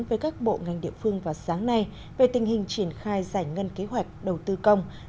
với các bộ ngành địa phương vào sáng nay về tình hình triển khai giải ngân kế hoạch đầu tư công